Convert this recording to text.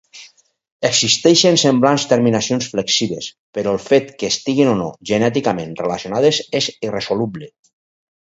Existeixen semblants terminacions flexives, però el fet que estiguin o no genèticament relacionades és irresoluble.